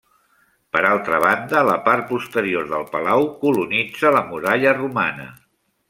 Per altra banda, la part posterior del palau colonitza la muralla romana.